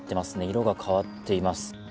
色が変わっています。